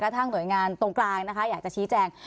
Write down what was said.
ทั้งหน่วยงานตรงกลางนะคะอยากจะชี้แจง